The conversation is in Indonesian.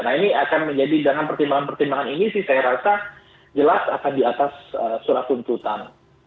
nah ini akan menjadi dengan pertimbangan pertimbangan ini sih saya rasa jelas akan di atas surat tuntutan